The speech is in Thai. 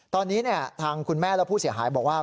ตอนนี้ทางคุณแม่และผู้เสียหายบอกว่า